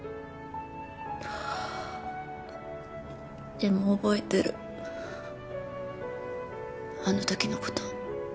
でも覚えてるあの時の事。